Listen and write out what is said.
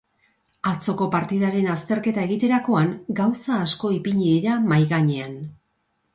Atzoko partidaren azterketa egiterakoan gauza asko ipini dira mahai gainean.